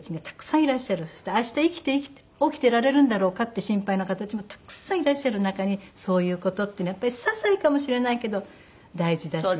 そして明日生きて起きてられるんだろうかって心配な方たちもたくさんいらっしゃる中にそういう事っていうのはやっぱりささいかもしれないけど大事だし。